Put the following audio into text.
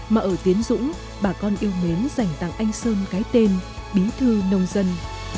mà ở tiến dũng bà con yêu mến dành tặng anh sơn cái tên bí thư nông dân